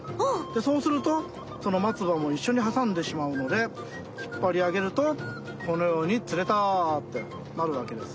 そうするとそのまつばもいっしょにはさんでしまうのでひっぱりあげるとこのように「釣れた」ってなるわけです。